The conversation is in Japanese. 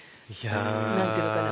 何て言うのかな